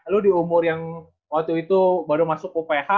lu di umur yang waktu itu baru masuk uph